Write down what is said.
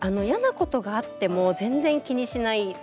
嫌なことがあっても全然気にしない。